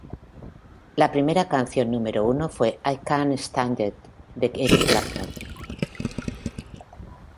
La primera canción número uno fue "I Can't Stand It" de Eric Clapton.